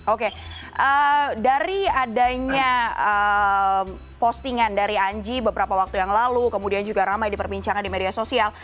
oke dari adanya postingan dari anji beberapa waktu yang lalu kemudian juga ramai diperbincangkan di media sosial